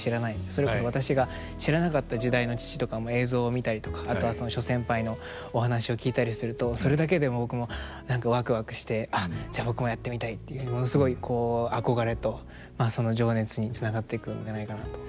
それこそ私が知らなかった時代の父とか映像を見たりとかあとは諸先輩のお話を聞いたりするとそれだけで僕も何かワクワクしてじゃあ僕もやってみたいっていうものすごい憧れとその情熱につながっていくんじゃないかなと。